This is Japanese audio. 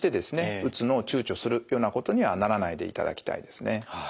打つのを躊躇するようなことにはならないでいただきたいですね。